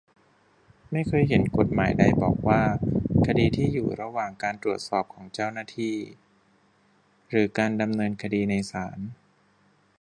ไม่เคยเห็นกฎหมายใดบอกว่า คดีที่อยู่ระหว่างการตรวจสอบของเจ้าหน้าที่ หรือการดำเนินคดีในศาล